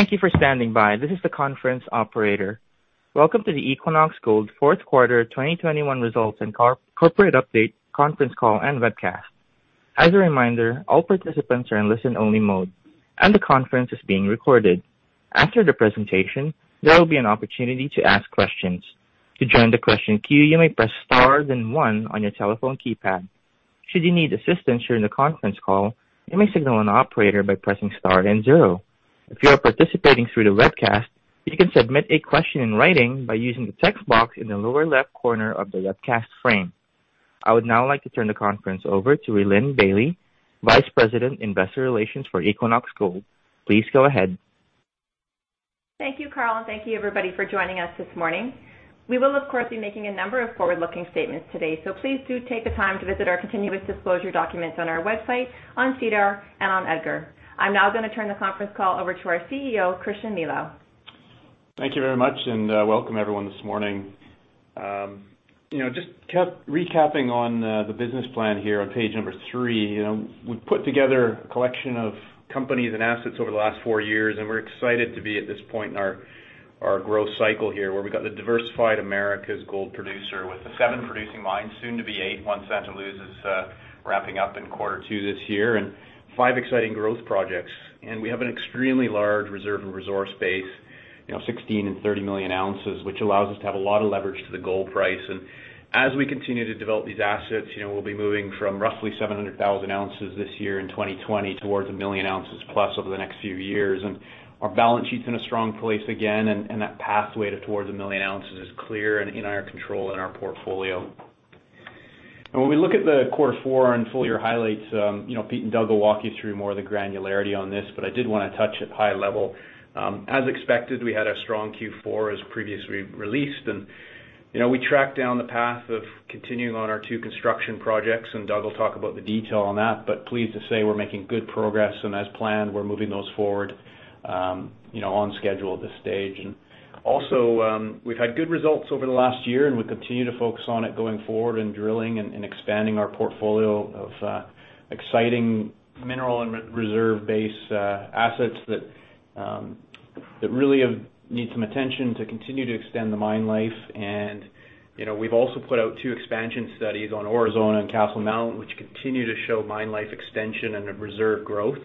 Thank you for standing by. This is the conference operator. Welcome to the Equinox Gold fourth quarter 2021 results and corporate update conference call and webcast. As a reminder, all participants are in listen-only mode, and the conference is being recorded. After the presentation, there will be an opportunity to ask questions. To join the question queue, you may press star then one on your telephone keypad. Should you need assistance during the conference call, you may signal an operator by pressing star then zero. If you are participating through the webcast, you can submit a question in writing by using the text box in the lower left corner of the webcast frame. I would now like to turn the conference over to Rhylin Bailie, Vice President, Investor Relations for Equinox Gold. Please go ahead. Thank you, Kharl, and thank you everybody for joining us this morning. We will, of course, be making a number of forward-looking statements today, so please do take the time to visit our continuous disclosure documents on our website, on SEDAR, and on EDGAR. I'm now gonna turn the conference call over to our CEO, Christian Milau. Thank you very much and welcome everyone this morning. You know, just recapping on the business plan here on page three, you know, we've put together a collection of companies and assets over the last four years, and we're excited to be at this point in our growth cycle here, where we've got the diversified Americas gold producer with the seven producing mines, soon to be eight, once Santa Luz is wrapping up in quarter two this year, and five exciting growth projects. We have an extremely large reserve and resource base, you know, 16 million oz and 30 million oz, which allows us to have a lot of leverage to the gold price. As we continue to develop these assets, you know, we'll be moving from roughly 700,000 oz this year in 2020 towards 1 million oz plus over the next few years. Our balance sheet's in a strong place again, and that pathway towards 1 million oz is clear and in our control in our portfolio. When we look at the quarter four and full year highlights, you know, Pete and Doug will walk you through more of the granularity on this, but I did wanna touch at high level. As expected, we had a strong Q4 as previously released, and, you know, we tracked down the path of continuing on our two construction projects, and Doug will talk about the detail on that. Pleased to say we're making good progress, and as planned, we're moving those forward, you know, on schedule at this stage. Also, we've had good results over the last year, and we continue to focus on it going forward and drilling and expanding our portfolio of exciting mineral and reserve base assets that really have need some attention to continue to extend the mine life. You know, we've also put out two expansion studies on Aurizona and Castle Mountain, which continue to show mine life extension and a reserve growth.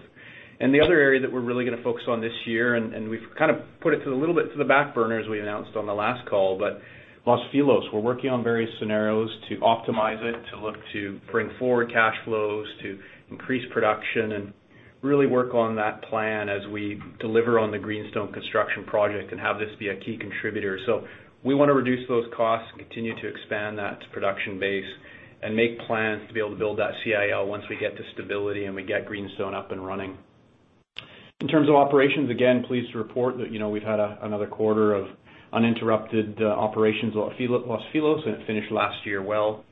The other area that we're really gonna focus on this year, and we've kind of put it a little bit to the back burner as we announced on the last call, but Los Filos, we're working on various scenarios to optimize it, to look to bring forward cash flows, to increase production and really work on that plan as we deliver on the Greenstone construction project and have this be a key contributor. We wanna reduce those costs, continue to expand that production base and make plans to be able to build that CIL once we get to stability and we get Greenstone up and running. In terms of operations, again, pleased to report that, you know, we've had another quarter of uninterrupted operations at Los Filos, and it finished last year well.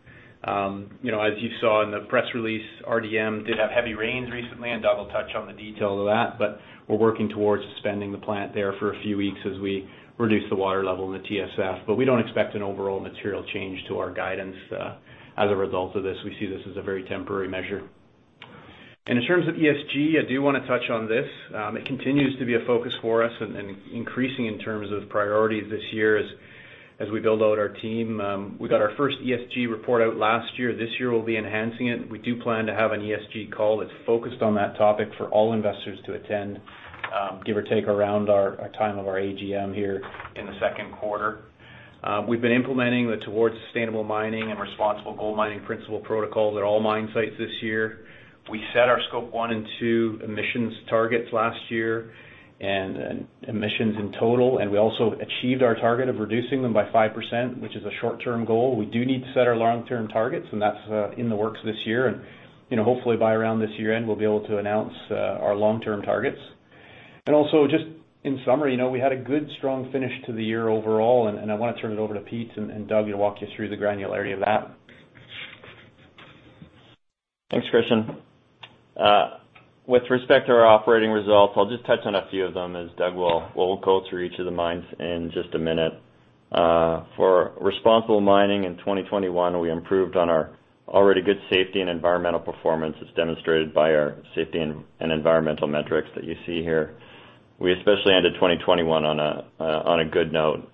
You know, as you saw in the press release, RDM did have heavy rains recently, and Doug will touch on the detail of that, but we're working towards suspending the plant there for a few weeks as we reduce the water level in the TSF. We don't expect an overall material change to our guidance as a result of this. We see this as a very temporary measure. In terms of ESG, I do wanna touch on this. It continues to be a focus for us and increasing in terms of priority this year as we build out our team. We got our first ESG report out last year. This year, we'll be enhancing it. We do plan to have an ESG call that's focused on that topic for all investors to attend, give or take around our time of our AGM here in the second quarter. We've been implementing the Towards Sustainable Mining and Responsible Gold Mining Principles Protocols at all mine sites this year. We set our Scope 1 and 2 emissions' targets last year and emissions in total, and we also achieved our target of reducing them by 5%, which is a short-term goal. We do need to set our long-term targets, and that's in the works this year. You know, hopefully by around this year-end, we'll be able to announce our long-term targets. Also just in summary, you know, we had a good, strong finish to the year overall, and I wanna turn it over to Pete and Doug to walk you through the granularity of that. Thanks, Christian. With respect to our operating results, I'll just touch on a few of them as Doug will go through each of the mines in just a minute. For responsible mining in 2021, we improved on our already good safety and environmental performance as demonstrated by our safety and environmental metrics that you see here. We especially ended 2021 on a good note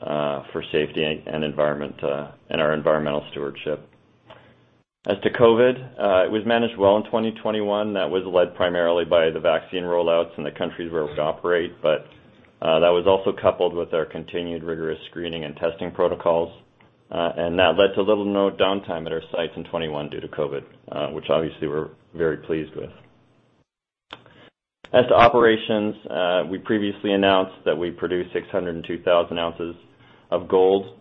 for safety and environment and our environmental stewardship. As to COVID, it was managed well in 2021. That was led primarily by the vaccine rollouts in the countries where we operate, but that was also coupled with our continued rigorous screening and testing protocols. That led to little to no downtime at our sites in 2021 due to COVID, which obviously we're very pleased with. As to operations, we previously announced that we produced 602,000 oz of gold.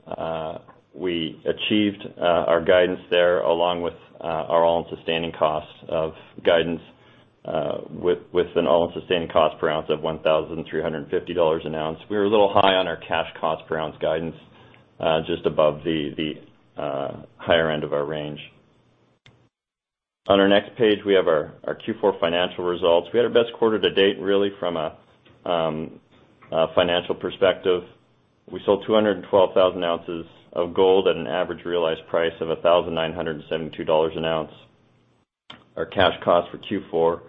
We achieved our guidance there along with our all-in sustaining costs of guidance, with an all-in sustaining cost per ounce of $1,350 an ounce. We were a little high on our cash cost per ounce guidance, just above the higher end of our range. On our next page, we have our Q4 financial results. We had our best quarter to date, really from a financial perspective. We sold 212,000 oz of gold at an average realized price of $1,972 an ounce. Our cash cost for Q4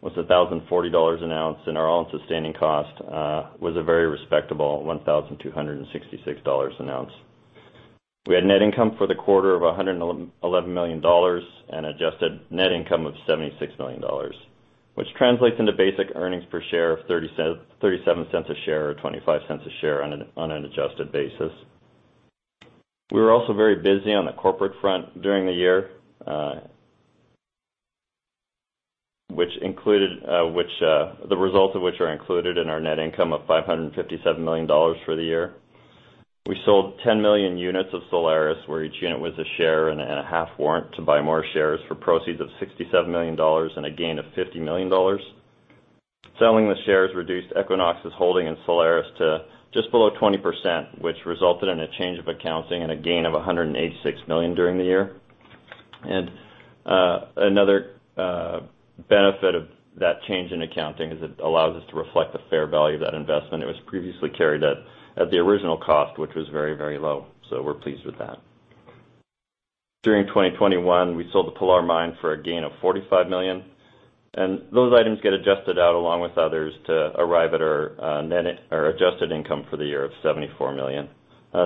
was $1,040 an ounce, and our all-in sustaining cost was a very respectable $1,266 an ounce. We had net income for the quarter of $111 million and adjusted net income of $76 million, which translates into basic earnings per share of $0.37 a share or $0.25 a share on an adjusted basis. We were also very busy on the corporate front during the year, which included the results of which are included in our net income of $557 million for the year. We sold 10 million units of Solaris, where each unit was a share and a half warrant to buy more shares for proceeds of $67 million and a gain of $50 million. Selling the shares reduced Equinox's holding in Solaris to just below 20%, which resulted in a change in accounting and a gain of $186 million during the year. Another benefit of that change in accounting is it allows us to reflect the fair value of that investment. It was previously carried at the original cost, which was very low. We're pleased with that. During 2021, we sold the Pilar mine for a gain of $45 million, and those items get adjusted out along with others to arrive at our net income or adjusted income for the year of $74 million.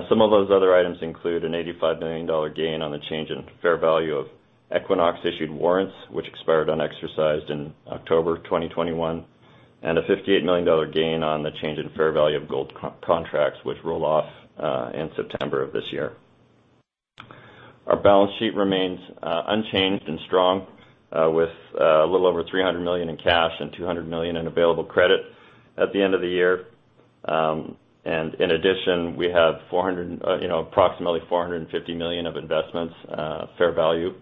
Some of those other items include an $85 million gain on the change in fair value of Equinox-issued warrants, which expired unexercised in October 2021, and a $58 million gain on the change in fair value of gold contracts which roll off in September of this year. Our balance sheet remains unchanged and strong with a little over $300 million in cash and $200 million in available credit at the end of the year. In addition, we have, you know, approximately $450 million of investments fair value.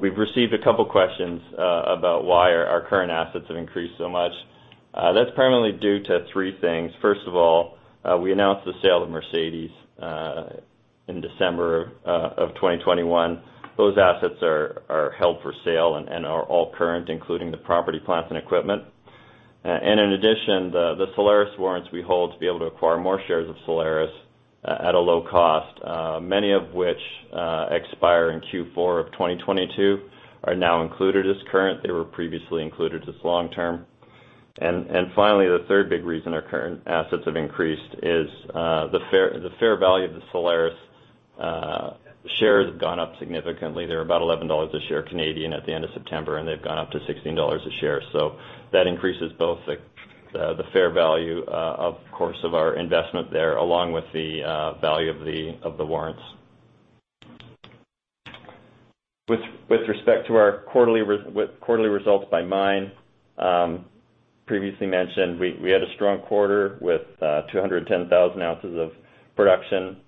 We've received a couple questions about why our current assets have increased so much. That's primarily due to three things. First of all, we announced the sale of Mercedes in December 2021. Those assets are held for sale and are all current, including the property, plants, and equipment. In addition, the Solaris warrants we hold to be able to acquire more shares of Solaris at a low cost, many of which expire in Q4 of 2022, are now included as current. They were previously included as long term. Finally, the third big reason our current assets have increased is the fair value of the Solaris shares have gone up significantly. They're about 11 dollars a share at the end of September, and they've gone up to 16 dollars a share. That increases both the fair value, of course, of our investment there, along with the value of the warrants. With respect to our quarterly results by mine, previously mentioned, we had a strong quarter with 210,000 oz of production,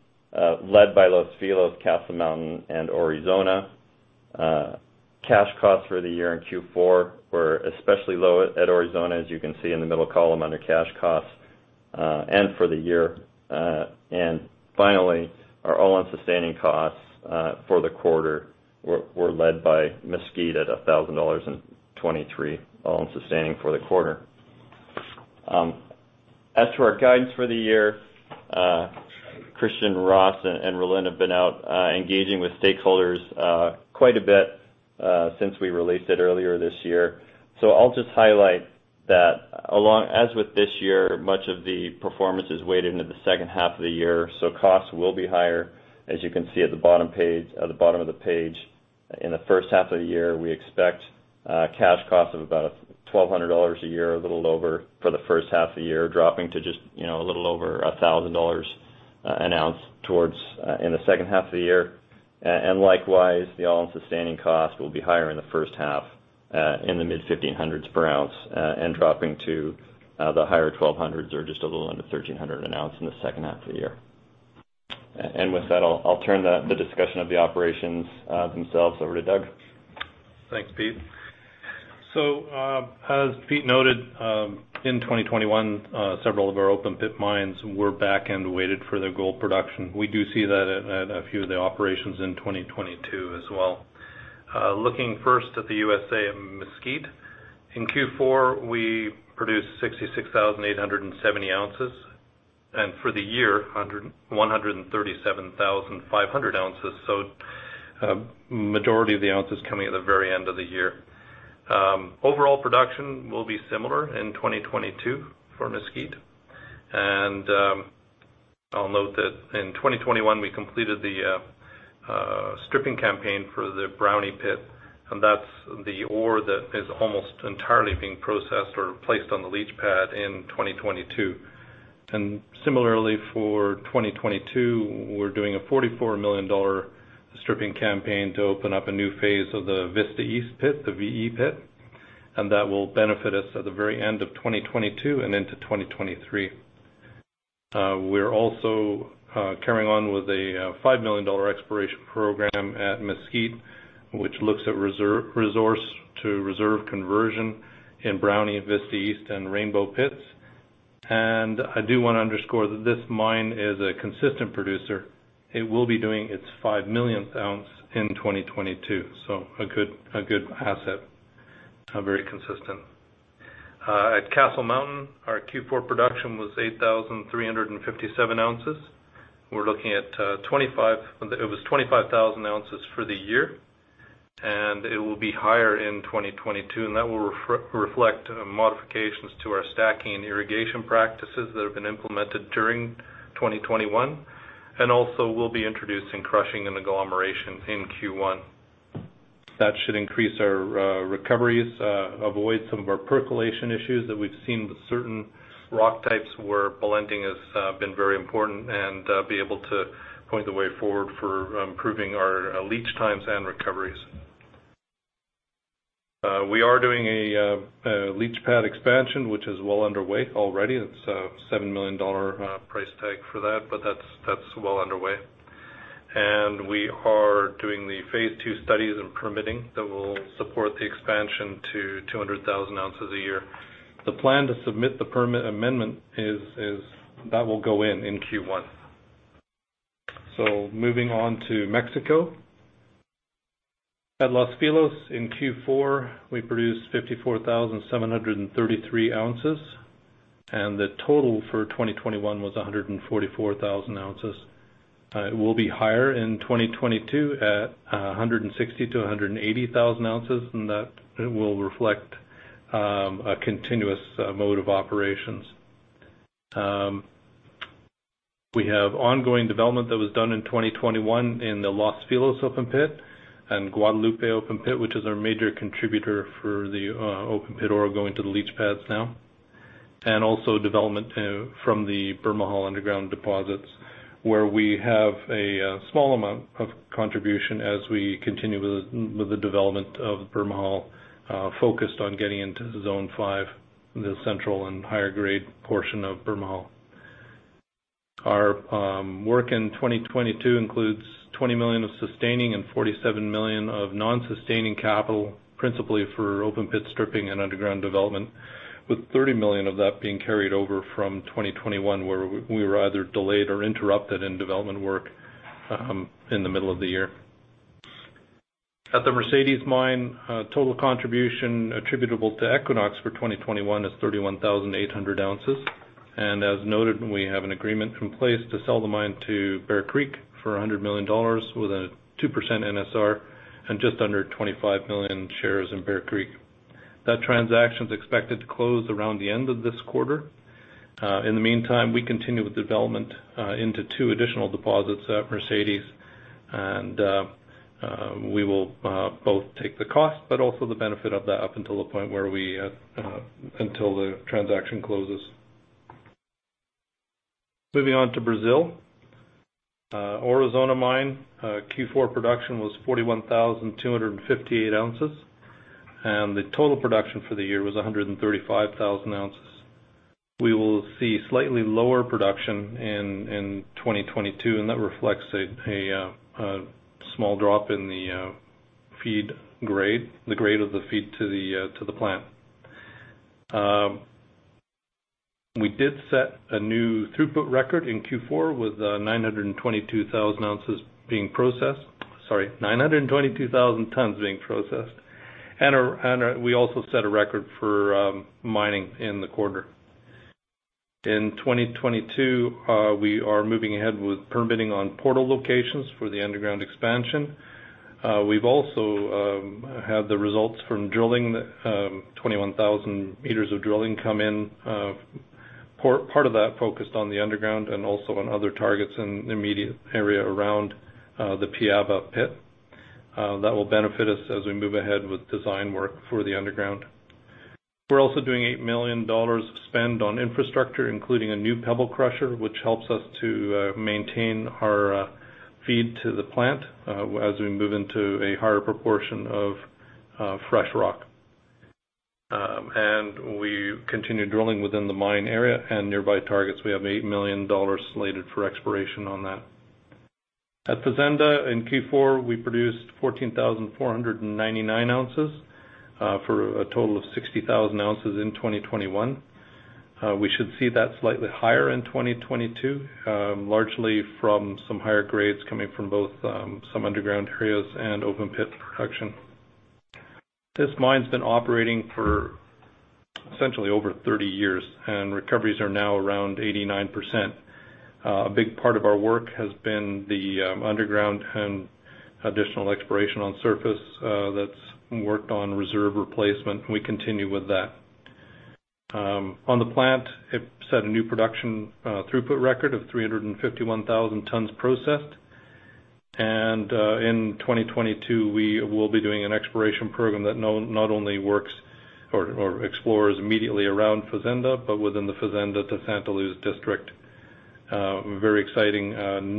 led by Los Filos, Castle Mountain, and Aurizona. Cash costs for the year in Q4 were especially low at Aurizona, as you can see in the middle column under cash costs, and for the year. And finally, our all-in sustaining costs for the quarter were led by Mesquite at $1,023 all-in sustaining for the quarter. As to our guidance for the year, Christian Milau, Ross, and Rhylin Bailie have been out engaging with stakeholders quite a bit since we released it earlier this year. I'll just highlight that as with this year, much of the performance is weighted into the second half of the year, so costs will be higher, as you can see at the bottom of the page. In the first half of the year, we expect cash costs of about $1,200 an ounce, a little over for the first half of the year, dropping to just a little over $1,000 an ounce in the second half of the year. And likewise, the all-in sustaining cost will be higher in the first half in the mid $1,500s per ounce and dropping to the higher $1,200s or just a little under $1,300 an ounce in the second half of the year. With that, I'll turn the discussion of the operations themselves over to Doug. Thanks, Pete. As Pete noted, in 2021, several of our open pit mines were back-end weighted for the gold production. We do see that at a few of the operations in 2022 as well. Looking first at the U.S.A., and Mesquite, in Q4, we produced 66,870 oz. For the year, 137,500 oz, so majority of the ounces coming at the very end of the year. Overall production will be similar in 2022 for Mesquite. I'll note that in 2021, we completed the stripping campaign for the Brownie Pit, and that's the ore that is almost entirely being processed or placed on the leach pad in 2022. Similarly for 2022, we're doing a $44 million stripping campaign to open up a new phase of the Vista East Pit, the VE Pit, and that will benefit us at the very end of 2022 and into 2023. We're also carrying on with a $5 million exploration program at Mesquite, which looks at resource to reserve conversion in Brownie, Vista East, and Rainbow pits. I do wanna underscore that this mine is a consistent producer. It will be doing its five millionth ounce in 2022, so a good asset, very consistent. At Castle Mountain, our Q4 production was 8,357 oz. We're looking at 25oz—it was 25,000 oz for the year, and it will be higher in 2022, and that will reflect modifications to our stacking and irrigation practices that have been implemented during 2021. Also, we'll be introducing crushing and agglomeration in Q1. That should increase our recoveries, avoid some of our percolation issues that we've seen with certain rock types, where blending has been very important and be able to point the way forward for improving our leach times and recoveries. We are doing a leach pad expansion, which is well underway already. It's a $7 million price tag for that, but that's well underway. We are doing the phase II studies and permitting that will support the expansion to 200,000 oz a year. The plan to submit the permit amendment is that will go in Q1. Moving on to Mexico. At Los Filos in Q4, we produced 54,733 oz, and the total for 2021 was 144,000 oz. It will be higher in 2022 at 160,000 oz-180,000 oz, and that will reflect a continuous mode of operations. We have ongoing development that was done in 2021 in the Los Filos open pit and Guadalupe open pit, which is our major contributor for the open pit ore going to the leach pads now. Development from the Bermejal underground deposits, where we have a small amount of contribution as we continue with the development of Bermejal, focused on getting into Zone Five, the central and higher-grade portion of Bermejal. Our work in 2022 includes $20 million of sustaining and $47 million of non-sustaining capital, principally for open pit stripping and underground development, with $30 million of that being carried over from 2021, where we were either delayed or interrupted in development work in the middle of the year. At the Mercedes Mine, total contribution attributable to Equinox for 2021 is 31,800 oz. As noted, we have an agreement in place to sell the mine to Bear Creek for $100 million with a 2% NSR and just under 25 million shares in Bear Creek. That transaction is expected to close around the end of this quarter. In the meantime, we continue with development into two additional deposits at Mercedes and we will both take the cost but also the benefit of that up until the transaction closes. Moving on to Brazil. Aurizona Mine, Q4 production was 41,258 oz, and the total production for the year was 135,000 oz. We will see slightly lower production in 2022, and that reflects a small drop in the feed grade, the grade of the feed to the plant. We did set a new throughput record in Q4 with 922,000 oz being processed. Sorry, 922,000 tons being processed. We also set a record for mining in the quarter. In 2022, we are moving ahead with permitting on portal locations for the underground expansion. We've also had the results from drilling 21,000 meters of drilling come in, part of that focused on the underground and also on other targets in the immediate area around the Piaba Pit, that will benefit us as we move ahead with design work for the underground. We're also doing $8 million of spend on infrastructure, including a new pebble crusher, which helps us to maintain our feed to the plant as we move into a higher proportion of fresh rock. We continue drilling within the mine area and nearby targets. We have $8 million slated for exploration on that. At Fazenda in Q4, we produced 14,499 ounces for a total of 60,000 ounces in 2021. We should see that slightly higher in 2022, largely from some higher grades coming from both some underground areas and open pit production. This mine's been operating for essentially over 30 years, and recoveries are now around 89%. A big part of our work has been the underground and additional exploration on surface that's worked on reserve replacement, and we continue with that. On the plant, it set a new production throughput record of 351,000 tons processed. In 2022, we will be doing an exploration program that not only explores immediately around Fazenda, but within the Fazenda to Santa Luz district. Very exciting,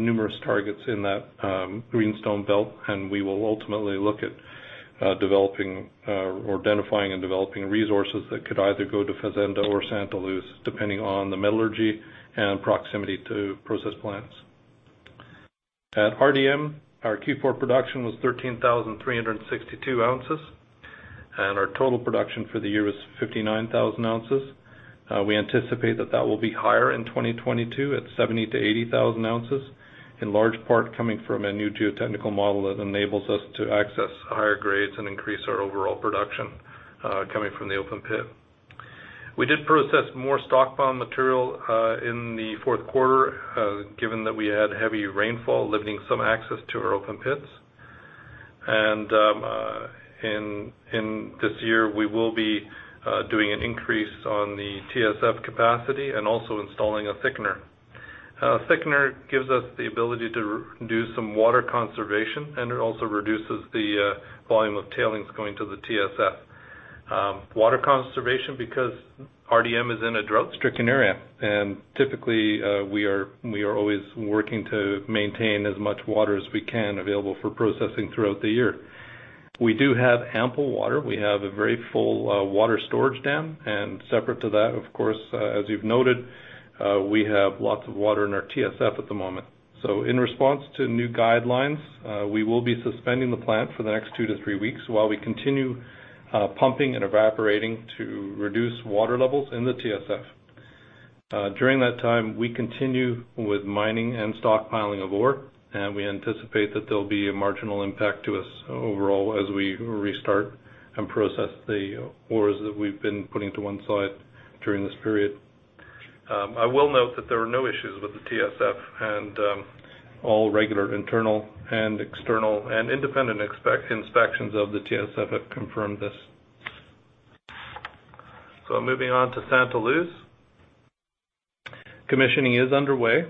numerous targets in that Greenstone belt, and we will ultimately look at developing or identifying and developing resources that could either go to Fazenda or Santa Luz, depending on the metallurgy and proximity to process plants. At RDM, our Q4 production was 13,362 oz, and our total production for the year was 59,000 oz. We anticipate that will be higher in 2022 at 70,000 oz-80,000 oz, in large part coming from a new geotechnical model that enables us to access higher grades and increase our overall production coming from the open pit. We did process more stockpile material in the fourth quarter given that we had heavy rainfall limiting some access to our open pits. In this year, we will be doing an increase on the TSF capacity and also installing a thickener. Thickener gives us the ability to re-do some water conservation, and it also reduces the volume of tailings going to the TSF. Water conservation because RDM is in a drought-stricken area. Typically, we are always working to maintain as much water as we can available for processing throughout the year. We do have ample water. We have a very full water storage dam. Separate to that, of course, as you've noted, we have lots of water in our TSF at the moment. In response to new guidelines, we will be suspending the plant for the next two to three weeks while we continue pumping and evaporating to reduce water levels in the TSF. During that time, we continue with mining and stockpiling of ore, and we anticipate that there'll be a marginal impact to us overall as we restart and process the ores that we've been putting to one side during this period. I will note that there are no issues with the TSF, and all regular internal and external and independent inspections of the TSF have confirmed this. Moving on to Santa Luz. Commissioning is underway.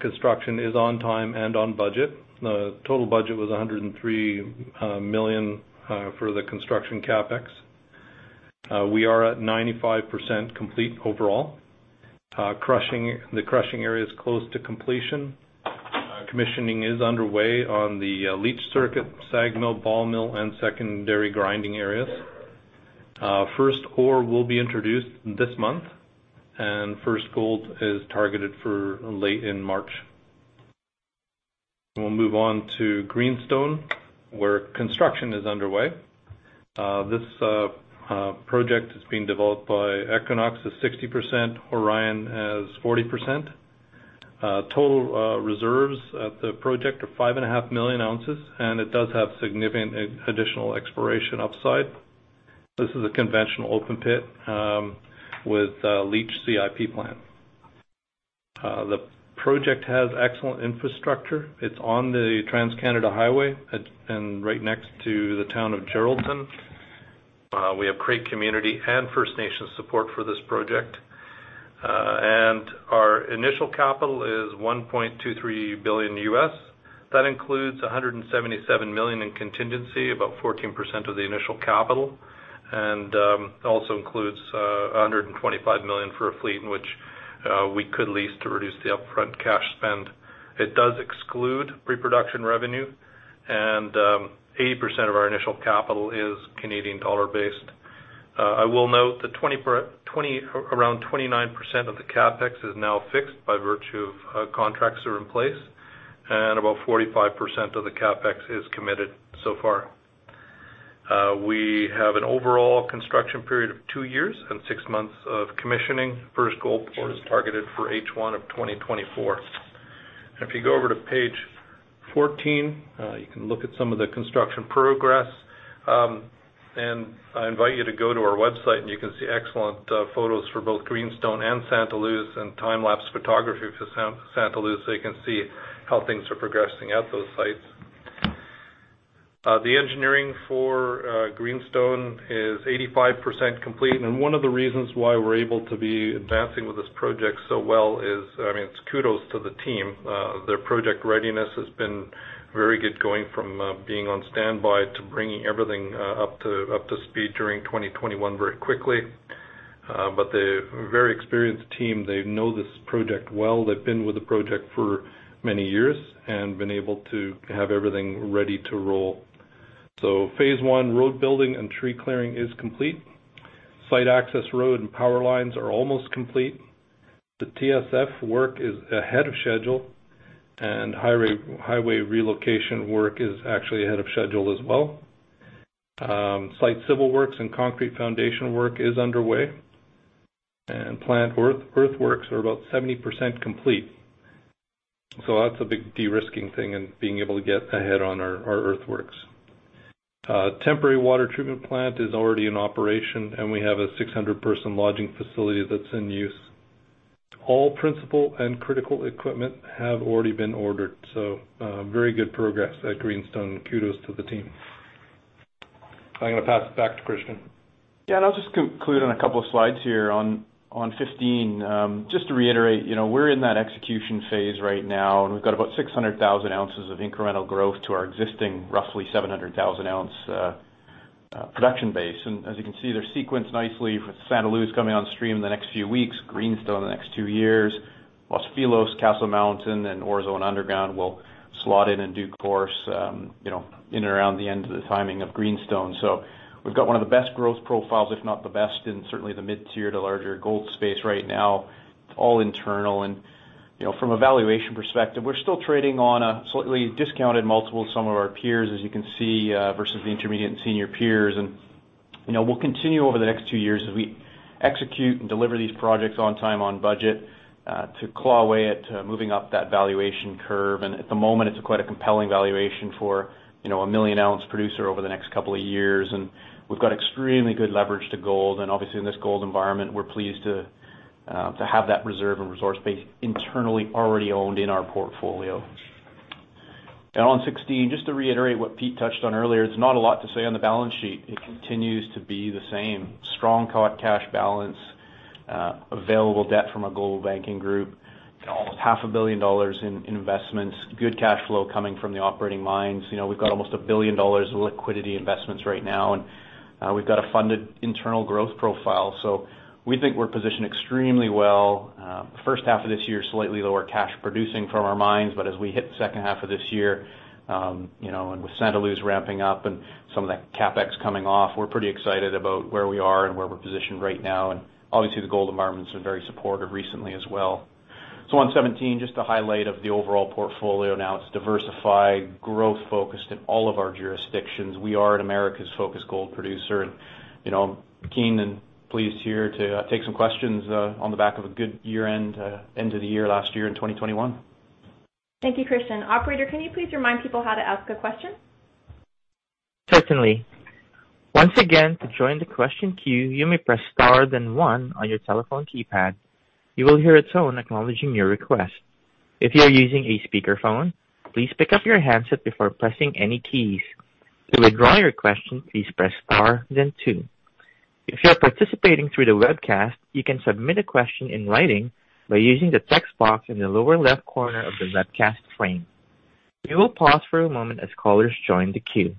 Construction is on time and on budget. The total budget was $103 million for the construction CapEx. We are at 95% complete overall. Crushing, the crushing area is close to completion. Commissioning is underway on the leach circuit, SAG mill, ball mill, and secondary grinding areas. First ore will be introduced this month, and first gold is targeted for late in March. We'll move on to Greenstone, where construction is underway. This project is being developed by Equinox as 60%, Orion as 40%. Total reserves at the project are 5.5 million ounces, and it does have significant additional exploration upside. This is a conventional open pit with a leach CIP plant. The project has excellent infrastructure. It's on the Trans-Canada Highway and right next to the town of Geraldton. We have great community and First Nation support for this project. Our initial capital is $1.23 billion. That includes $177 million in contingency, about 14% of the initial capital, and also includes $125 million for a fleet which we could lease to reduce the upfront cash spend. It does exclude pre-production revenue, and 80% of our initial capital is CAD based. I will note that 20%- around 29% of the CapEx is now fixed by virtue of contracts that are in place, and about 45% of the CapEx is committed so far. We have an overall construction period of two years and six months of commissioning. First gold pour is targeted for H1 of 2024. If you go over to page 14, you can look at some of the construction progress. I invite you to go to our website, and you can see excellent photos for both Greenstone and Santa Luz and time-lapse photography for Santa Luz, so you can see how things are progressing at those sites. The engineering for Greenstone is 85% complete. One of the reasons why we're able to be advancing with this project so well is, I mean, it's kudos to the team. Their project readiness has been very good going from being on standby to bringing everything up to speed during 2021 very quickly. They're a very experienced team. They know this project well. They've been with the project for many years and been able to have everything ready to roll. Phase I road building and tree clearing is complete. Site access road and power lines are almost complete. The TSF work is ahead of schedule, and highway relocation work is actually ahead of schedule as well. Site civil works and concrete foundation work is underway. Plant earthworks are about 70% complete. That's a big de-risking thing and being able to get ahead on our earthworks. Temporary water treatment plant is already in operation, and we have a 600-person lodging facility that's in use. All principal and critical equipment have already been ordered, so very good progress at Greenstone. Kudos to the team. I'm gonna pass it back to Christian. Yeah. I'll just conclude on a couple of slides here. On 15, just to reiterate, you know, we're in that execution phase right now, and we've got about 600,000 oz of incremental growth to our existing roughly 700,000 oz production base. As you can see, they're sequenced nicely with Santa Luz coming on stream in the next few weeks, Greenstone in the next two years. Los Filos, Castle Mountain, and Aurizona Underground will slot in in due course, you know, in and around the end of the timing of Greenstone. We've got one of the best growth profiles, if not the best, in certainly the mid-tier to larger gold space right now. It's all internal and, you know, from a valuation perspective, we're still trading on a slightly discounted multiple some of our peers, as you can see, versus the intermediate and senior peers. You know, we'll continue over the next two years as we execute and deliver these projects on time, on budget, to claw away at moving up that valuation curve. At the moment, it's quite a compelling valuation for, you know, 1 million oz producer over the next couple of years. We've got extremely good leverage to gold. Obviously, in this gold environment, we're pleased to have that reserve and resource base internally already owned in our portfolio. On 16, just to reiterate what Pete touched on earlier, it's not a lot to say on the balance sheet. It continues to be the same. Strong cash balance, available debt from a global banking group, and almost half a billion dollars in investments. Good cash flow coming from the operating mines. You know, we've got almost a billion dollars in liquidity investments right now, and we've got a funded internal growth profile. We think we're positioned extremely well. First half of this year, slightly lower cash producing from our mines, but as we hit the second half of this year, you know, and with Santa Luz's ramping up and some of that CapEx coming off, we're pretty excited about where we are and where we're positioned right now. Obviously, the gold environment's been very supportive recently as well. Slide 17, just a highlight of the overall portfolio. Now it's diversified, growth-focused in all of our jurisdictions. We are an Americas-focused gold producer and, you know, keen and pleased here to take some questions on the back of a good year-end, end of the year last year in 2021. Thank you, Christian. Operator, can you please remind people how to ask a question? Certainly. Once again, to join the question queue, you may press star then one on your telephone keypad. You will hear a tone acknowledging your request. If you are using a speakerphone, please pick up your handset before pressing any keys. To withdraw your question, please press star then two. If you are participating through the webcast, you can submit a question in writing by using the text box in the lower left corner of the webcast frame. We will pause for a moment as callers join the queue.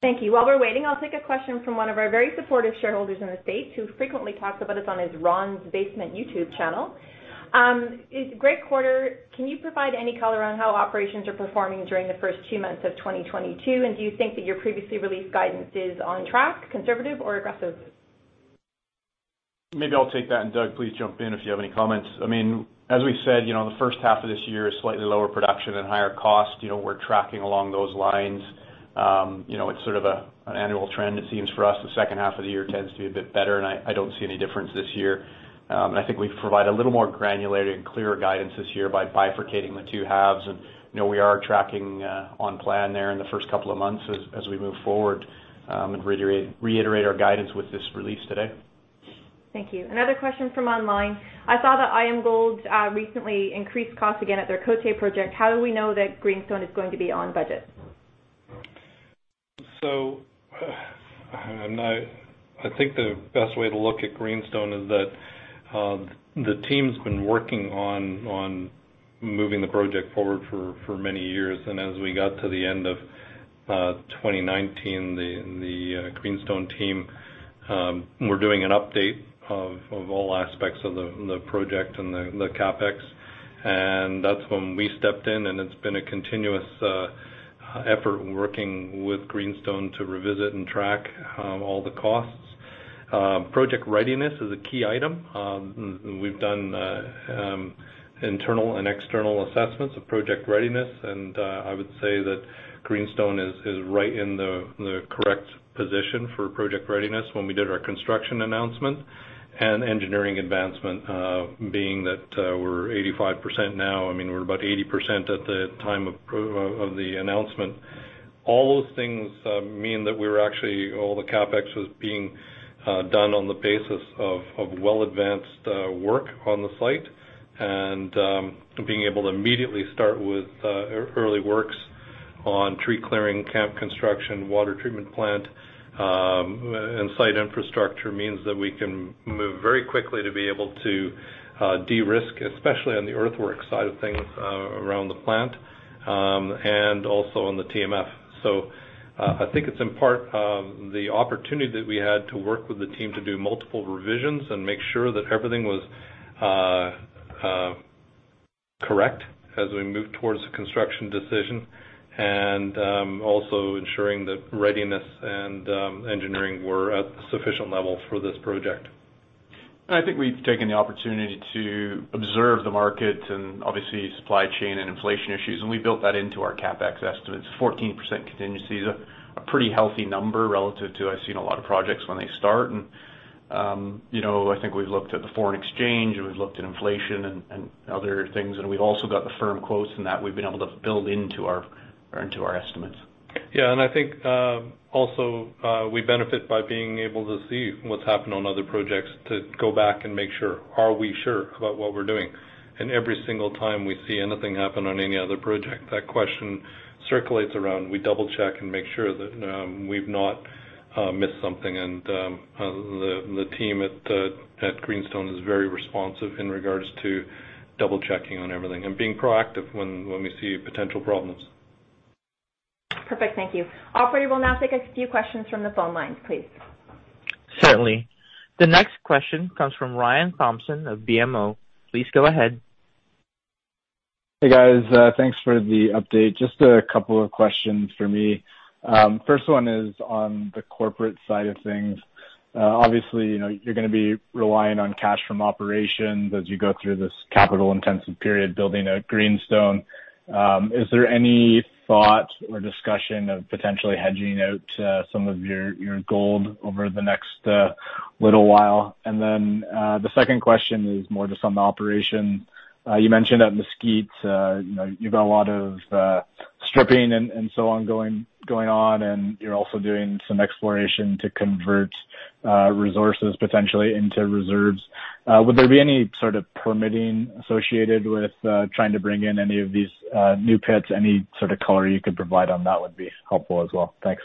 Thank you. While we're waiting, I'll take a question from one of our very supportive shareholders in the States, who frequently talks about us on his Rons Basement YouTube channel. It's a great quarter. Can you provide any color on how operations are performing during the first two months of 2022? And do you think that your previously released guidance is on track, conservative or aggressive? Maybe I'll take that, and Doug, please jump in if you have any comments. I mean, as we said, you know, the first half of this year is slightly lower production and higher cost. You know, we're tracking along those lines. You know, it's sort of an annual trend. It seems for us, the second half of the year tends to be a bit better, and I don't see any difference this year. I think we provide a little more granular and clearer guidance this year by bifurcating the two halves. You know, we are tracking on plan there in the first couple of months as we move forward and reiterate our guidance with this release today. Thank you. Another question from online. I saw that IAMGOLD recently increased costs again at their Côté project. How do we know that Greenstone is going to be on budget? I think the best way to look at Greenstone is that the team's been working on moving the project forward for many years. As we got to the end of 2019, the Greenstone team were doing an update of all aspects of the project and the CapEx. That's when we stepped in, and it's been a continuous effort working with Greenstone to revisit and track all the costs. Project readiness is a key item. We've done internal and external assessments of project readiness, and I would say that Greenstone is right in the correct position for project readiness when we did our construction announcement and engineering advancement, being that we're 85% now. I mean, we're about 80% at the time of the announcement. All those things mean that all the CapEx was being done on the basis of well-advanced work on the site and being able to immediately start with early works on tree clearing, camp construction, water treatment plant, and site infrastructure means that we can move very quickly to be able to de-risk, especially on the earthworks side of things around the plant, and also on the TMF. I think it's in part the opportunity that we had to work with the team to do multiple revisions and make sure that everything was correct as we moved towards the construction decision and also ensuring that readiness and engineering were at sufficient level for this project. I think we've taken the opportunity to observe the market and obviously, supply chain and inflation issues, and we built that into our CapEx estimates. 14% contingency is a pretty healthy number relative to I've seen a lot of projects when they start. You know, I think we've looked at the foreign exchange, and we've looked at inflation and other things, and we've also got the firm quotes and that we've been able to build into our estimates. Yeah. I think, also, we benefit by being able to see what's happened on other projects to go back and make sure, are we sure about what we're doing? Every single time we see anything happen on any other project, that question circulates around. We double-check and make sure that we've not missed something. The team at Greenstone is very responsive in regards to double-checking on everything and being proactive when we see potential problems. Perfect. Thank you. Operator, we'll now take a few questions from the phone lines, please. Certainly. The next question comes from Ryan Thompson of BMO. Please go ahead. Hey guys, thanks for the update. Just a couple of questions for me. First one is on the corporate side of things. Obviously, you know, you're gonna be relying on cash from operations as you go through this capital-intensive period building out Greenstone. Is there any thought or discussion of potentially hedging out some of your gold over the next little while? The second question is more just on the operation. You mentioned at Mesquite, you know, you've got a lot of stripping and so ongoing, and you're also doing some exploration to convert resources potentially into reserves. Would there be any sort of permitting associated with trying to bring in any of these new pits? Any sort of color you could provide on that would be helpful as well. Thanks.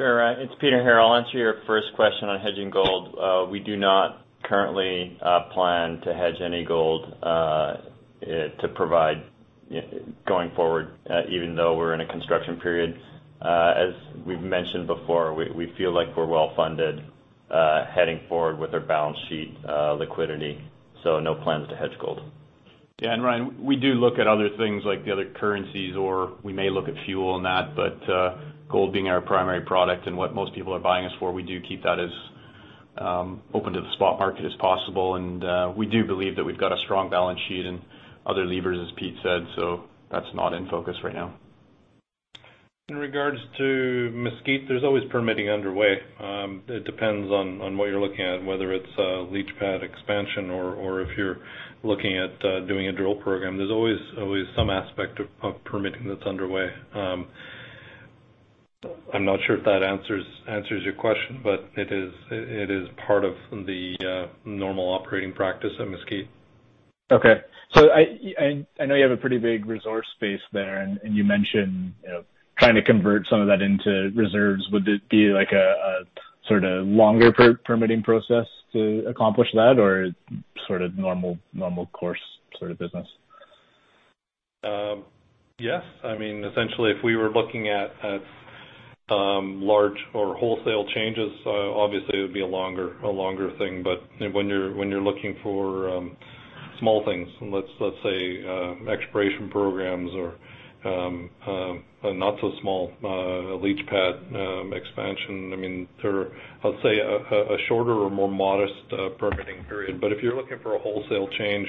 Sure, Ryan. It's Peter here. I'll answer your first question on hedging gold. We do not currently plan to hedge any gold to provide going forward, even though we're in a construction period. As we've mentioned before, we feel like we're well funded heading forward with our balance sheet liquidity, so no plans to hedge gold. Yeah, Ryan, we do look at other things like the other currencies, or we may look at fuel and that, but gold being our primary product and what most people are buying us for, we do keep that as open to the spot market as possible. We do believe that we've got a strong balance sheet and other levers, as Pete said, so that's not in focus right now. In regards to Mesquite, there's always permitting underway. It depends on what you're looking at whether it's a leach pad expansion or if you're looking at doing a drill program. There's always some aspect of permitting that's underway. I'm not sure if that answers your question, but it is part of the normal operating practice at Mesquite. Okay. I know you have a pretty big resource space there, and you mentioned, you know, trying to convert some of that into reserves. Would it be like a sort of longer permitting process to accomplish that, or sort of normal course sort of business? Yes. I mean, essentially, if we were looking at large or wholesale changes, obviously it would be a longer thing. When you're looking for small things, let's say exploration programs or a not so small leach pad expansion, I mean, they're a shorter or more modest permitting period. But if you're looking for a wholesale change,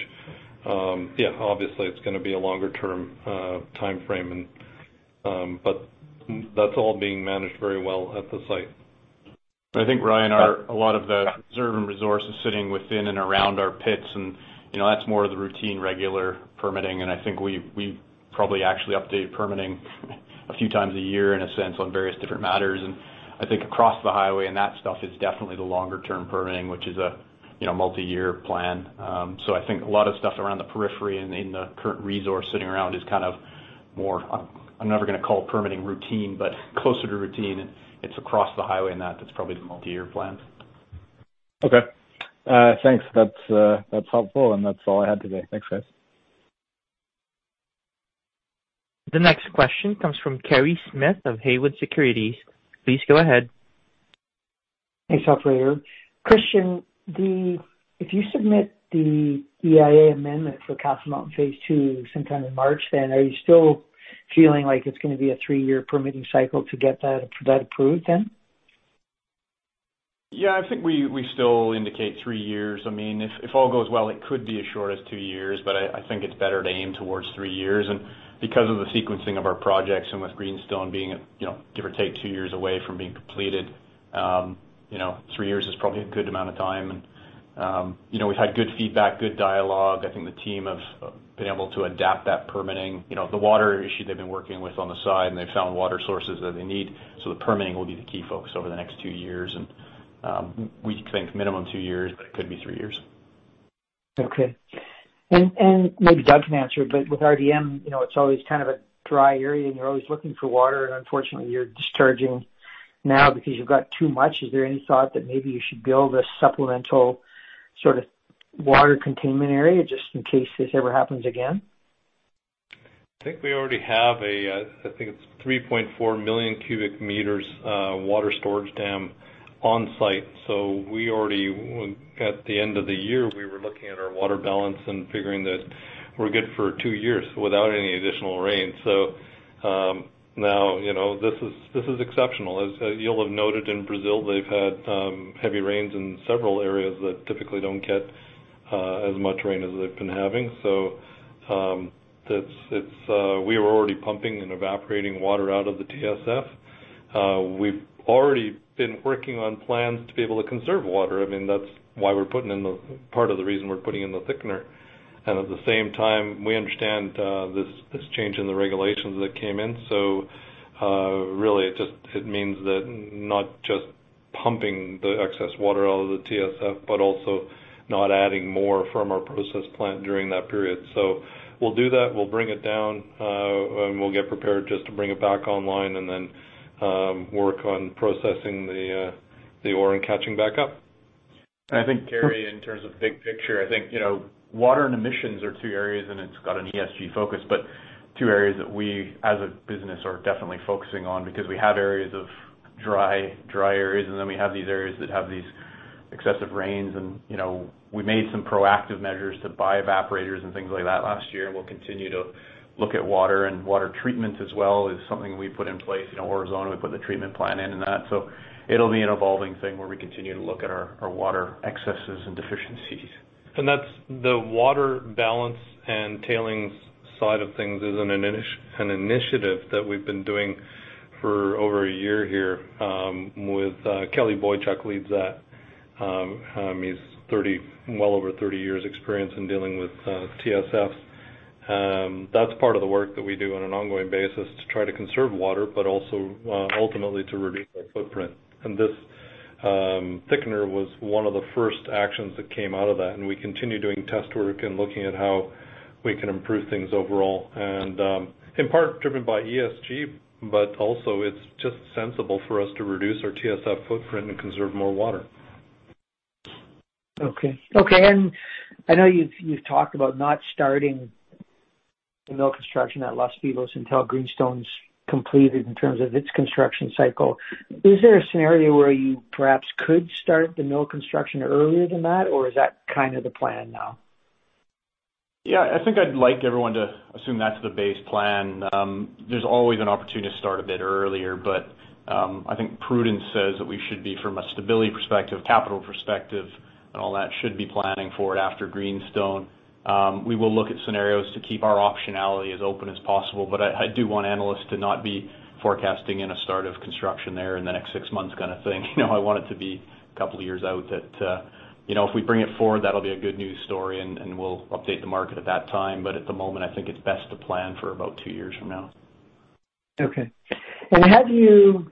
yeah, obviously it's gonna be a longer-term timeframe. That's all being managed very well at the site. I think, Ryan, a lot of the reserve and resource is sitting within and around our pits and, you know, that's more of the routine, regular permitting. I think we probably actually update permitting a few times a year in a sense on various different matters. I think across the highway and that stuff is definitely the longer term permitting, which is, you know, multi-year plan. I think a lot of stuff around the periphery and in the current resource sitting around is kind of more, I'm never gonna call permitting routine, but closer to routine. It's across the highway and that's probably the multi-year plans. Okay. Thanks. That's helpful. That's all I had today. Thanks, guys. The next question comes from Kerry Smith of Haywood Securities. Please go ahead. Thanks, operator. Christian, if you submit the EIA amendment for Castle Mountain phase II sometime in March, then are you still feeling like it's gonna be a three-year permitting cycle to get that approved then? Yeah, I think we still indicate three years. I mean, if all goes well, it could be as short as two years, but I think it's better to aim towards three years. Because of the sequencing of our projects and with Greenstone being, you know, give or take two years away from being completed, three years is probably a good amount of time. We've had good feedback, good dialogue. I think the team have been able to adapt that permitting. You know, the water issue they've been working with on the side, and they've found water sources that they need. The permitting will be the key focus over the next two years. We think minimum two years, but it could be three years. Okay. Maybe Doug can answer, but with RDM, you know, it's always kind of a dry area, and you're always looking for water, and unfortunately, you're discharging now because you've got too much. Is there any thought that maybe you should build a supplemental sort of water containment area just in case this ever happens again? I think we already have a 3.4 million cubic meters water storage dam on site. We already, at the end of the year, we were looking at our water balance and figuring that we're good for two years without any additional rain. Now, you know, this is exceptional. As you'll have noted in Brazil, they've had heavy rains in several areas that typically don't get as much rain as they've been having. We were already pumping and evaporating water out of the TSF. We've already been working on plans to be able to conserve water. I mean, that's why we're putting in the thickener, part of the reason we're putting in the thickener. At the same time, we understand this change in the regulations that came in. Really it just means that not just pumping the excess water out of the TSF, but also not adding more from our process plant during that period. We'll do that, we'll bring it down, and we'll get prepared just to bring it back online and then work on processing the ore and catching back up. I think, Kerry, in terms of big picture, I think, you know, water and emissions are two areas, and it's got an ESG focus, but two areas that we as a business are definitely focusing on because we have areas of dry areas, and then we have these areas that have these excessive rains and, you know, we made some proactive measures to buy evaporators and things like that last year, and we'll continue to look at water and water treatments as well is something we put in place. You know, Aurizona, we put the treatment plant in and that. It'll be an evolving thing where we continue to look at our water excesses and deficiencies. That's the water balance and tailings side of things is an initiative that we've been doing for over a year here, with Kelly Boychuk leads that. He's well over 30 years experience in dealing with TSFs. That's part of the work that we do on an ongoing basis to try to conserve water, but also ultimately to reduce our footprint. This thickener was one of the first actions that came out of that, and we continue doing test work and looking at how we can improve things overall. In part driven by ESG, but also it's just sensible for us to reduce our TSF footprint and conserve more water. Okay. Okay, I know you've talked about not starting the mill construction at Los Filos until Greenstone's completed in terms of its construction cycle. Is there a scenario where you perhaps could start the mill construction earlier than that, or is that kind of the plan now? Yeah. I think I'd like everyone to assume that's the base plan. There's always an opportunity to start a bit earlier, but I think prudence says that we should be from a stability perspective, capital perspective, and all that should be planning for it after Greenstone. We will look at scenarios to keep our optionality as open as possible, but I do want analysts to not be forecasting in a start of construction there in the next six months kind of thing. You know, I want it to be a couple of years out that, you know, if we bring it forward, that'll be a good news story, and we'll update the market at that time. But at the moment, I think it's best to plan for about two years from now. Okay. Have you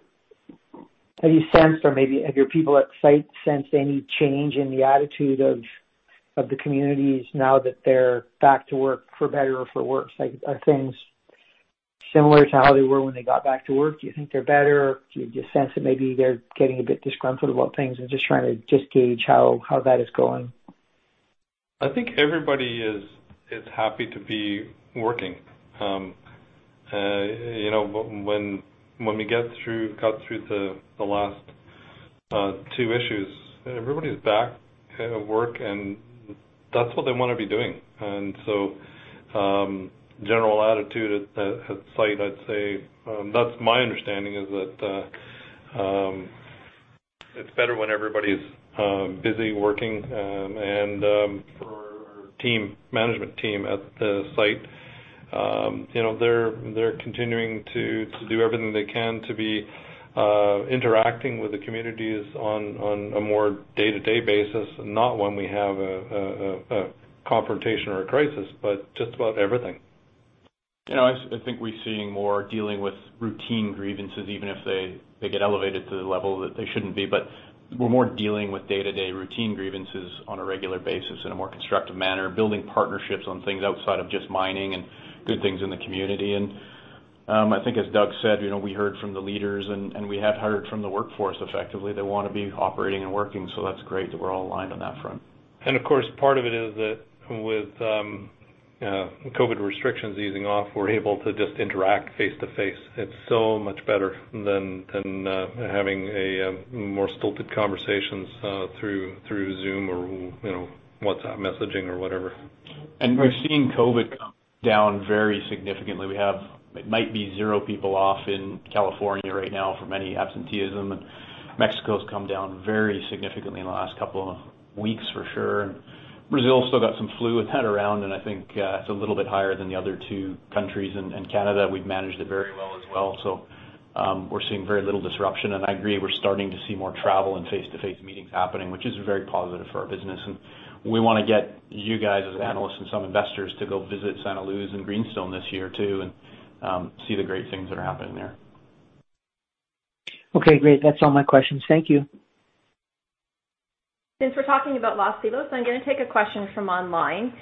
sensed, or maybe have your people at site sensed any change in the attitude of the communities now that they're back to work for better or for worse? Like, are things similar to how they were when they got back to work? Do you think they're better? Do you sense that maybe they're getting a bit disgruntled about things and just trying to gauge how that is going? I think everybody is happy to be working. You know, when we got through the last two issues, everybody's back at work and that's what they wanna be doing. General attitude at site, I'd say, that's my understanding is that it's better when everybody's busy working. For our team, management team at the site, you know, they're continuing to do everything they can to be interacting with the communities on a more day-to-day basis, not when we have a confrontation or a crisis, but just about everything. You know, I think we're seeing more dealing with routine grievances, even if they get elevated to the level that they shouldn't be. We're more dealing with day-to-day routine grievances on a regular basis in a more constructive manner, building partnerships on things outside of just mining and good things in the community. I think as Doug said, you know, we heard from the leaders, and we have heard from the workforce, effectively, they wanna be operating and working, so that's great that we're all aligned on that front. Of course, part of it is that with COVID restrictions easing off, we're able to just interact face-to-face. It's so much better than having a more stilted conversations through Zoom or, you know, WhatsApp messaging or whatever. We're seeing COVID come down very significantly. We have, it might be zero people off in California right now from any absenteeism, and Mexico's come down very significantly in the last couple of weeks for sure. Brazil's still got some flu. It's been around and I think, it's a little bit higher than the other two countries. In Canada, we've managed it very well as well. We're seeing very little disruption. I agree, we're starting to see more travel and face-to-face meetings happening, which is very positive for our business. We want to get you guys as analysts and some investors to go visit Santa Luz and Greenstone this year too and see the great things that are happening there. Okay, great. That's all my questions. Thank you. Since we're talking about Los Filos, I'm gonna take a question from online.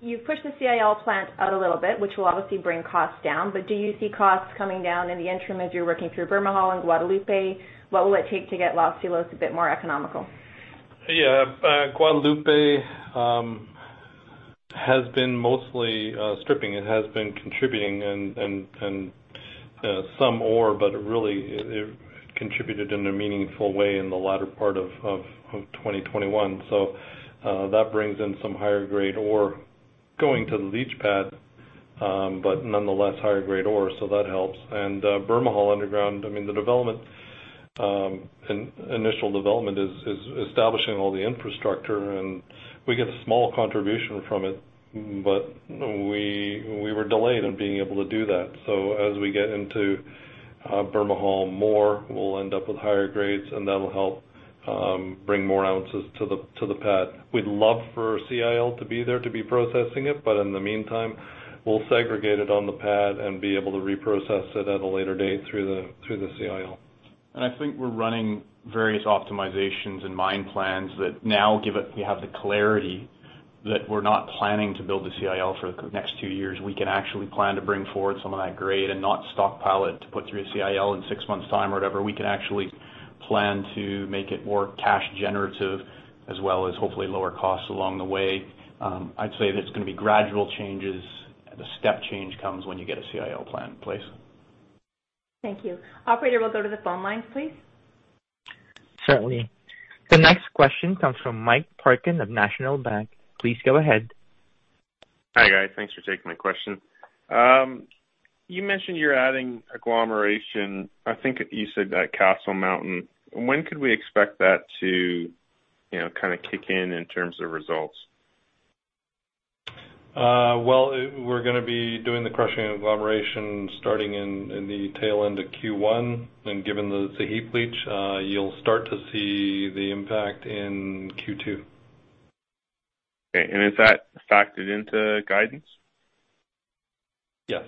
You've pushed the CIL plant out a little bit, which will obviously bring costs down, but do you see costs coming down in the interim as you're working through Bermejal and Guadalupe? What will it take to get Los Filos a bit more economical? Yeah. Guadalupe has been mostly stripping. It has been contributing and some ore, but it really contributed in a meaningful way in the latter part of 2021. That brings in some higher-grade ore going to the leach pad, but nonetheless higher-grade ore, so that helps. Bermejal underground, I mean, the development, initial development is establishing all the infrastructure, and we get a small contribution from it, but we were delayed in being able to do that. As we get into Bermejal more, we'll end up with higher grades, and that'll help bring more ounces to the pad. We'd love for CIL to be there to be processing it, but in the meantime, we'll segregate it on the pad and be able to reprocess it at a later date through the CIL. I think we're running various optimizations and mine plans. We have the clarity that we're not planning to build the CIL for the next two years. We can actually plan to bring forward some of that grade and not stockpile it to put through CIL in six months time or whatever. We can actually plan to make it more cash generative as well as hopefully lower costs along the way. I'd say that it's gonna be gradual changes. The step change comes when you get a CIL plan in place. Thank you. Operator, we'll go to the phone lines, please. Certainly. The next question comes from Mike Parkin of National Bank. Please go ahead. Hi, guys. Thanks for taking my question. You mentioned you're adding agglomeration, I think you said at Castle Mountain. When could we expect that to, you know, kinda kick in terms of results? Well, we're gonna be doing the crushing and agglomeration starting in the tail end of Q1. Given the heap leach, you'll start to see the impact in Q2. Okay. Is that factored into guidance? Yes.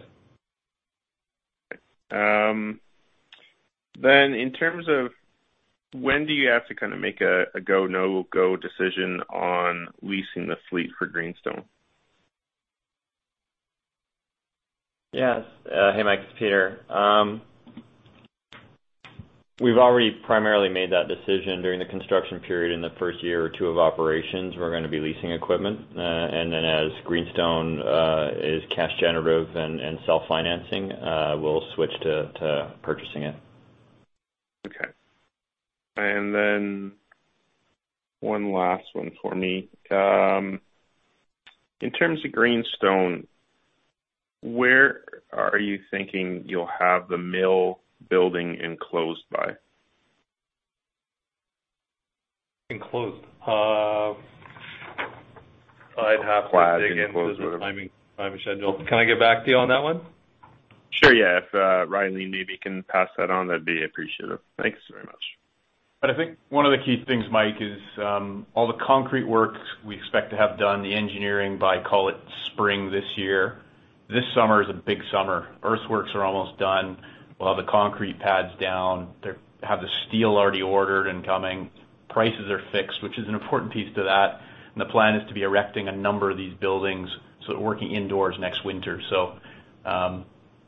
Okay. In terms of when do you have to kinda make a go, no go decision on leasing the fleet for Greenstone? Yes. Hey, Mike, it's Peter. We've already primarily made that decision during the construction period in the first year or two of operations. We're gonna be leasing equipment. Then as Greenstone is cash generative and self-financing, we'll switch to purchasing it. Okay. One last one for me. In terms of Greenstone, where are you thinking you'll have the mill building enclosed by? Enclosed? I'd have to dig into the timing schedule. Can I get back to you on that one? Sure, yeah. If Rhylin maybe can pass that on, that'd be appreciated. Thanks very much. I think one of the key things, Mike, is, all the concrete works we expect to have done, the engineering by, call it, spring this year. This summer is a big summer. Earth works are almost done. We'll have the concrete pads down. They have the steel already ordered and coming. Prices are fixed, which is an important piece to that. The plan is to be erecting a number of these buildings, so working indoors next winter.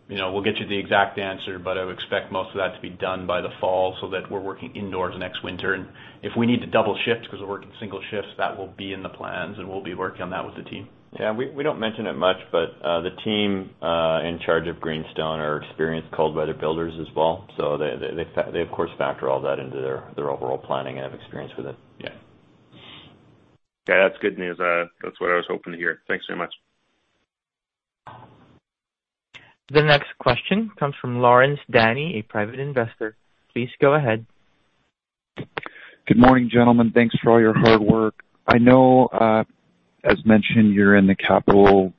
You know, we'll get you the exact answer, but I would expect most of that to be done by the fall so that we're working indoors next winter. If we need to double shifts because we're working single shifts, that will be in the plans, and we'll be working on that with the team. Yeah. We don't mention it much, but the team in charge of Greenstone are experienced cold weather builders as well. They of course factor all that into their overall planning and have experience with it. Yeah. Okay. That's good news. That's what I was hoping to hear. Thanks very much. The next question comes from Lawrence Danny, a Private Investor. Please go ahead. Good morning, gentlemen. Thanks for all your hard work. I know, as mentioned, you're in the capital,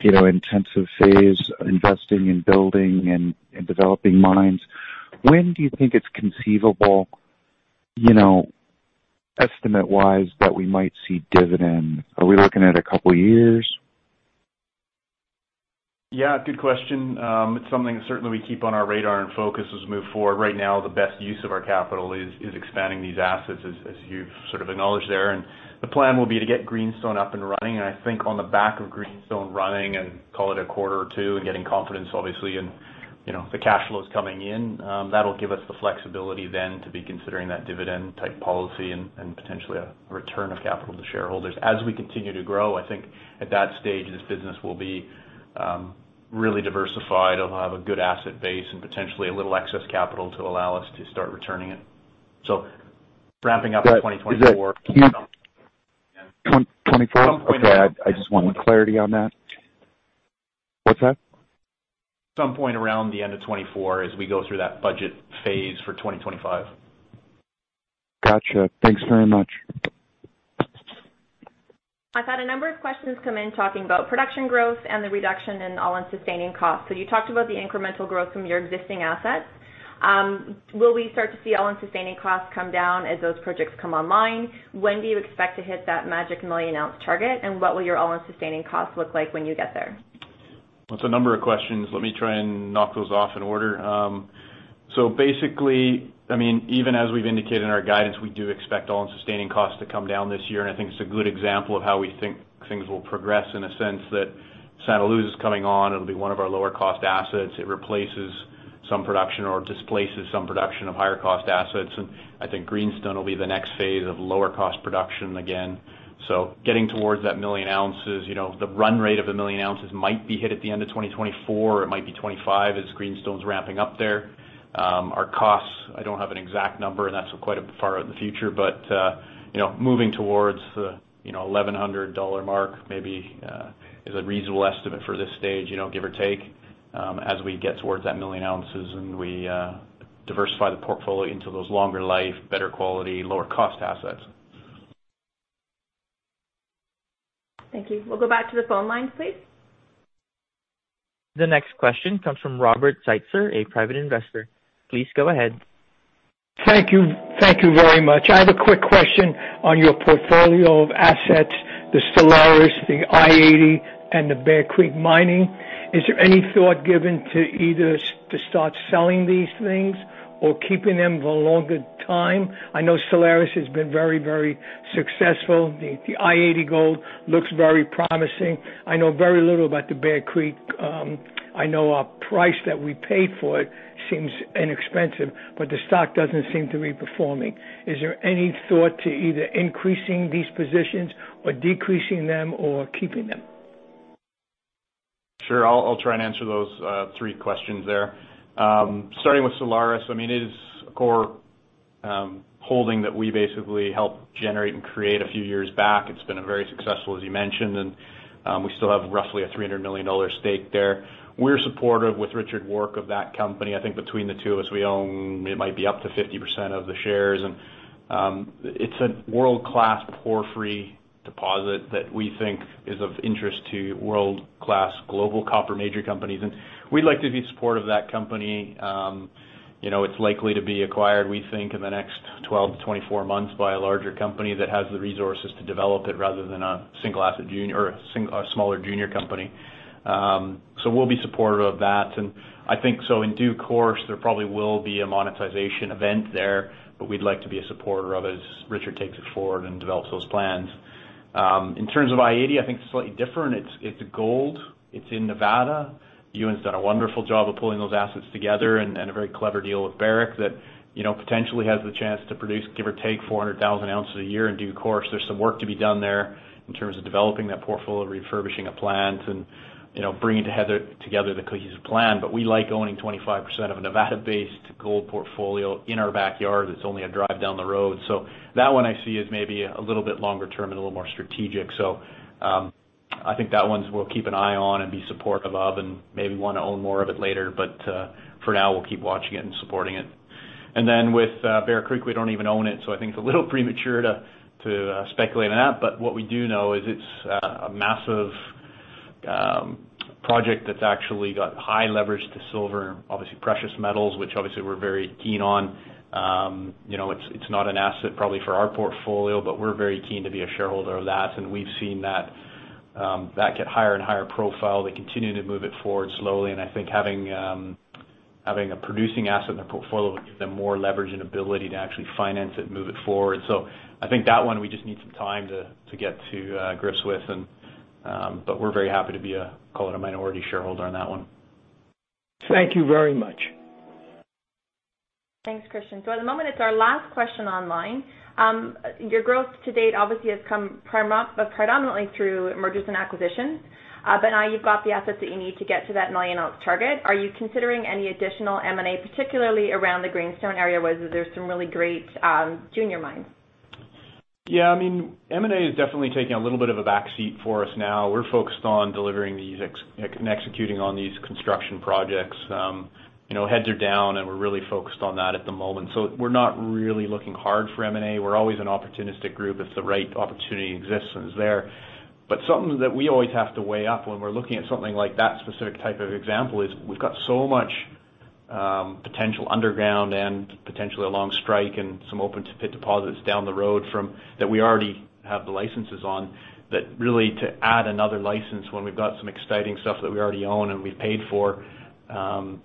you know, intensive phase, investing in building and developing mines. When do you think it's conceivable, you know, estimate-wise, that we might see dividend? Are we looking at a couple years? Yeah, good question. It's something that certainly we keep on our radar and focus as we move forward. Right now, the best use of our capital is expanding these assets, as you've sort of acknowledged there. The plan will be to get Greenstone up and running. I think on the back of Greenstone running and call it a quarter or two and getting confidence, obviously, and, you know, the cash flows coming in, that'll give us the flexibility then to be considering that dividend type policy and potentially a return of capital to shareholders. As we continue to grow, I think at that stage, this business will be really diversified. It'll have a good asset base and potentially a little excess capital to allow us to start returning it. Ramping up in 2024. Is it mid-? Yeah. 2024? Okay. I just wanted clarity on that. What's that? Some point around the end of 2024 as we go through that budget phase for 2025. Gotcha. Thanks very much. I've had a number of questions come in talking about production growth and the reduction in all-in sustaining costs. You talked about the incremental growth from your existing assets. Will we start to see all-in sustaining costs come down as those projects come online? When do you expect to hit that magic million-ounce target? What will your all-in sustaining costs look like when you get there? Well, it's a number of questions. Let me try and knock those off in order. Basically, I mean, even as we've indicated in our guidance, we do expect all-in sustaining costs to come down this year. I think it's a good example of how we think things will progress in a sense that Santa Luz is coming on. It'll be one of our lower cost assets. It replaces some production or displaces some production of higher cost assets. I think Greenstone will be the next phase of lower cost production again. Getting towards that million ounces, you know, the run rate of 1 million oz might be hit at the end of 2024, or it might be 2025 as Greenstone's ramping up there. Our costs, I don't have an exact number, and that's quite far out in the future, but you know, moving towards the you know, $1,100 mark maybe is a reasonable estimate for this stage, you know, give or take, as we get towards that million ounces and we diversify the portfolio into those longer-life, better-quality, lower-cost assets. Thank you. We'll go back to the phone lines, please. The next question comes from Robert Zeitzer, a Private Investor. Please go ahead. Thank you. Thank you very much. I have a quick question on your portfolio of assets, the Solaris, the i-80, and the Bear Creek Mining. Is there any thought given to either to start selling these things or keeping them for a longer time? I know Solaris has been very, very successful. The i-80 Gold looks very promising. I know very little about the Bear Creek. I know our price that we paid for it seems inexpensive, but the stock doesn't seem to be performing. Is there any thought to either increasing these positions or decreasing them or keeping them? Sure. I'll try and answer those three questions there. Starting with Solaris, I mean, it is a core holding that we basically helped generate and create a few years back. It's been a very successful, as you mentioned, and we still have roughly a $300 million stake there. We're supportive with Richard Warke of that company. I think between the two of us, we own. It might be up to 50% of the shares. It's a world-class, porphyry deposit that we think is of interest to world-class global copper major companies. We'd like to be supportive of that company. You know, it's likely to be acquired, we think, in the next 12-24 months by a larger company that has the resources to develop it rather than a single asset junior or a smaller junior company. So we'll be supportive of that. I think, so in due course, there probably will be a monetization event there, but we'd like to be a supporter of it as Richard takes it forward and develops those plans. In terms of i-80, I think it's slightly different. It's gold. It's in Nevada. Ewan's done a wonderful job of pulling those assets together and a very clever deal with Barrick that, you know, potentially has the chance to produce, give or take, 400,000 oz a year in due course. There's some work to be done there in terms of developing that portfolio, refurbishing of plants and, you know, bringing together the cohesive plan. We like owning 25% of a Nevada-based gold portfolio in our backyard that's only a drive down the road. That one I see as maybe a little bit longer term and a little more strategic. I think that one, we'll keep an eye on and be supportive of and maybe wanna own more of it later. For now, we'll keep watching it and supporting it. With Bear Creek, we don't even own it, so I think it's a little premature to speculate on that. What we do know is it's a massive project that's actually got high leverage to silver, obviously precious metals, which obviously we're very keen on. You know, it's not an asset probably for our portfolio, but we're very keen to be a shareholder of that, and we've seen that get higher and higher profile. They continue to move it forward slowly, and I think having a producing asset in their portfolio will give them more leverage and ability to actually finance it and move it forward. I think that one, we just need some time to get to grips with, but we're very happy to be a call it a minority shareholder on that one. Thank you very much. Thanks, Christian. At the moment, it's our last question online. Your growth to date obviously has come predominantly through mergers and acquisitions, but now you've got the assets that you need to get to that million-ounce target. Are you considering any additional M&A, particularly around the Greenstone area, where there's some really great junior mines? Yeah, I mean, M&A has definitely taken a little bit of a back seat for us now. We're focused on delivering these and executing on these construction projects. You know, heads are down, and we're really focused on that at the moment. We're not really looking hard for M&A. We're always an opportunistic group if the right opportunity exists and is there. Something that we always have to weigh up when we're looking at something like that specific type of example is we've got so much potential underground and potentially along strike and some open pit deposits down the road from that we already have the licenses on, that really to add another license when we've got some exciting stuff that we already own and we've paid for,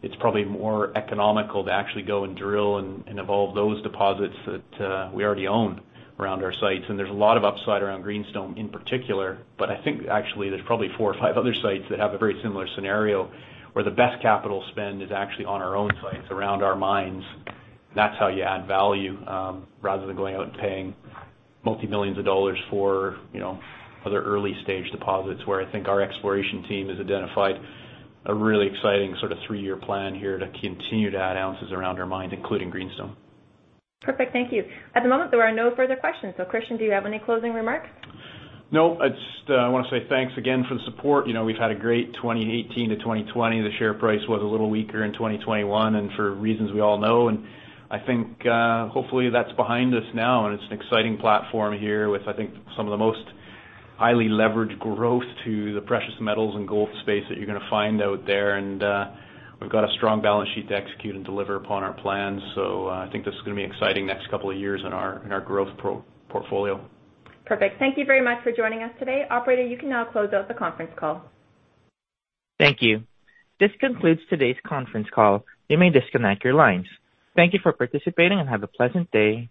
it's probably more economical to actually go and drill and evolve those deposits that we already own around our sites. There's a lot of upside around Greenstone in particular, but I think actually there's probably four or five other sites that have a very similar scenario where the best capital spend is actually on our own sites around our mines. That's how you add value, rather than going out and paying $multi-millions for, you know, other early-stage deposits where I think our exploration team has identified a really exciting sort of three-year plan here to continue to add ounces around our mine, including Greenstone. Perfect. Thank you. At the moment, there are no further questions. Christian, do you have any closing remarks? No. I just wanna say thanks again for the support. You know, we've had a great 2018 to 2020. The share price was a little weaker in 2021 and for reasons we all know. I think hopefully that's behind us now, and it's an exciting platform here with, I think, some of the most highly leveraged growth to the precious metals and gold space that you're gonna find out there. We've got a strong balance sheet to execute and deliver upon our plans. I think this is gonna be exciting next couple of years in our growth portfolio. Perfect. Thank you very much for joining us today. Operator, you can now close out the conference call. Thank you. This concludes today's conference call. You may disconnect your lines. Thank you for participating and have a pleasant day.